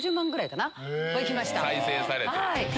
再生されて。